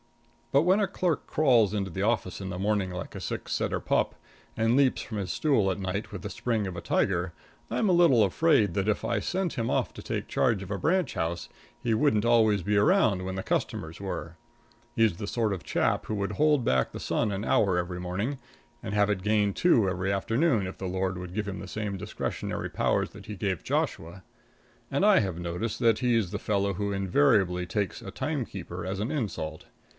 But when a clerk crawls into the office in the morning like a sick setter pup, and leaps from his stool at night with the spring of a tiger, I'm a little afraid that if I sent him off to take charge of a branch house he wouldn't always be around when customers were. He's the sort of a chap who would hold back the sun an hour every morning and have it gain two every afternoon if the Lord would give him the same discretionary powers that He gave Joshua. And I have noticed that he's the fellow who invariably takes a timekeeper as an insult.